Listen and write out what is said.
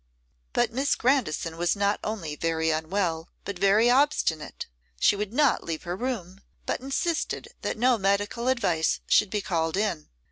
But Miss Grandison was not only very unwell but very obstinate. She would not leave her room, but insisted that no medical advice should be called in.